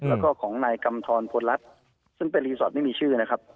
แล้วก็ของนายกำทรพลรัฐซึ่งเป็นรีสอร์ทไม่มีชื่อนะครับ